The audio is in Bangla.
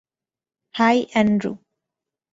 High, Andrew.